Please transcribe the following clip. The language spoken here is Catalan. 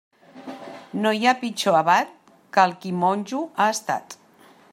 No hi ha pitjor abat que el qui monjo ha estat.